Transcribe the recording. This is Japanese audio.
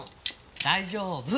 大丈夫！